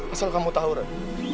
asal kamu tahu rey